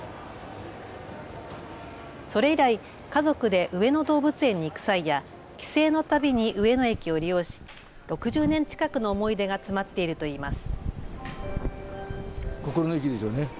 それ以来、家族で上野動物園に行く際や帰省のたびに上野駅を利用し６０年近くの思い出が詰まっているといいます。